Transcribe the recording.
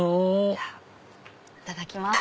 じゃあいただきます。